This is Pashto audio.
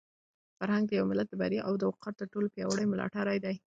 فرهنګ د یو ملت د بریا او د وقار تر ټولو پیاوړی ملاتړی دی.